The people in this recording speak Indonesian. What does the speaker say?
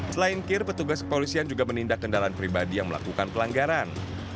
selain kir petugas kepolisian juga menindak kendaraan pribadi yang melakukan pelanggaran